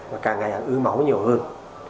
và càng ngày ư máu nhiều hơn